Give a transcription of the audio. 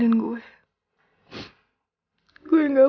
silahkan bu elsa